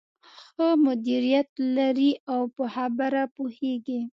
ښه مديريت لري او په خبره پوهېږې.